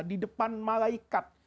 di depan malaikat